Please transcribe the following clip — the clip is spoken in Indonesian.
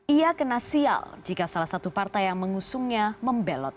ia kena sial jika salah satu partai yang mengusungnya membelot